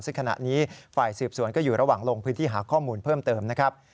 ซึ่งขณะนี้ฝ่ายสืบสวนก็อยู่ระหว่างลงพื้นที่หาข้อมูลเพิ่มเติมนะครับ